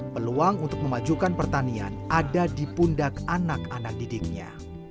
peluang untuk memajukan pertanian ada di pundak anak anak didiknya